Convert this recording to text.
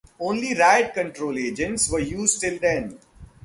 Only riot control agents were used till then.